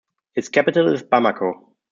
Its capital is Bamako.